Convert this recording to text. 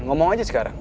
ngomong aja sekarang